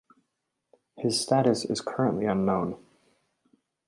His status is currently unknown.